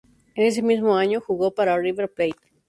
En ese mismo año jugó para River Plate.